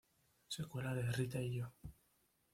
Secuela de "Rita y yo".